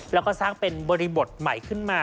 แล้วก็สร้างเป็นบริบทใหม่ขึ้นมา